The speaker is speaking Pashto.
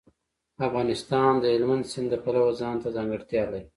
افغانستان د هلمند سیند د پلوه ځانته ځانګړتیا لري.